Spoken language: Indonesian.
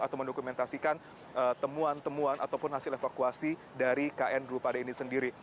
atau mendokumentasikan temuan temuan ataupun hasil evakuasi dari kn drupada ini sendiri